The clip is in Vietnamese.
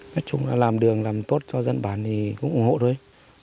nói chung là làm đường làm tốt cho dân bản thì cũng ủng hộ thôi